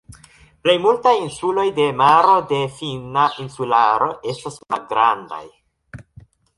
Plej multaj insuloj de Maro de Finna insularo estas malgrandaj.